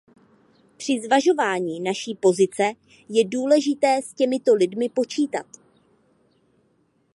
Při zvažování naší pozice je důležité s těmito lidmi počítat.